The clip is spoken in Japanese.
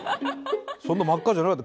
そんな真っ赤じゃなかった。